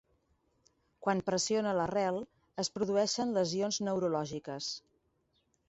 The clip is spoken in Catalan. Quan pressiona l'arrel, es produeixen lesions neurològiques.